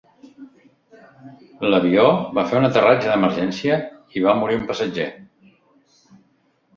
L'avió va fer un aterratge d'emergència i va morir un passatger.